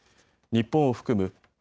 日本を含むＧ７